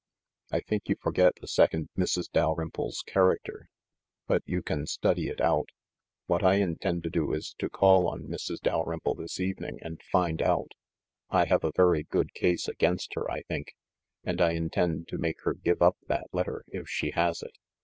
"I think you forget the second Mrs. Dalrymple's character. But you can study it out. What I intend to do is to call on Mrs. Dalrymple this evening and find out. I have a very good case against her, I think, and I intend to make her give up that letter, if she has it.